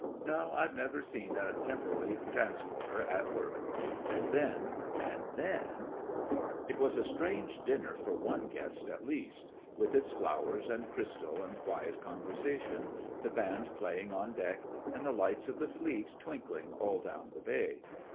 ('No, I've never seen a Temperley transporter at work.') And then—and then ....? It was a strange dinner for one guest at least—with its flowers and crystal and quiet conversation; the band playing on deck, and the lights of the Fleet twinkling all down the Bay.